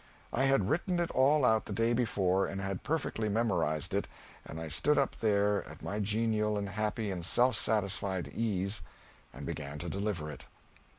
I had written it all out the day before and had perfectly memorized it, and I stood up there at my genial and happy and self satisfied ease, and began to deliver it.